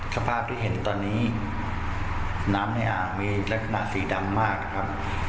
สภาพที่เห็นตอนนี้น้ำในอ่างมีลักษณะสีดำมากนะครับ